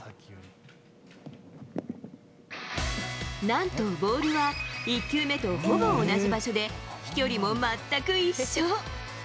なんと、ボールは１球目とほぼ同じ場所で、飛距離も全く一緒。